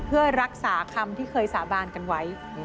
เพื่อรักษาคำที่เคยสาบานกันไว้